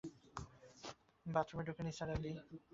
বাথরুমে ঢুকে নিসার আলি আরো অবাক হলেন।